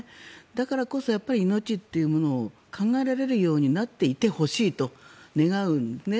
だからこそ、命というものを考えられるようになっていてほしいと願うんですね。